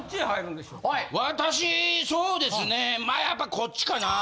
私そうですねまあやっぱこっちかな。